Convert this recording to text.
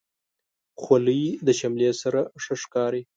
خولۍ د شملې سره ښه ښکاري.